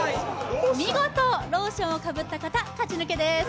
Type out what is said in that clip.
見事ローションをかぶった方勝ち抜けです